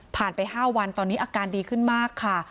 ไป๕วันตอนนี้อาการดีขึ้นมากค่ะ